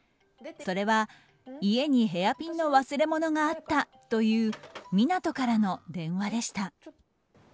それは、家にヘアピンの忘れ物があったという湊斗からの電話でした。